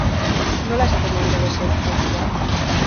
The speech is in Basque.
Nola esaten da ingelesez "altua"?